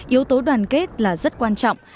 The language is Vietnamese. yếu tố đoàn kết là rất quan trọng